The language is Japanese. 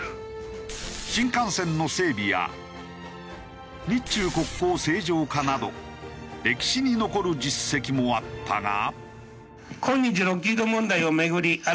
新幹線の整備や日中国交正常化など歴史に残る実績もあったが。